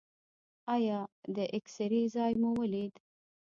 ایا د اکسرې ځای مو ولید؟